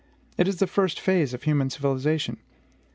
It is the first phase of human civilization.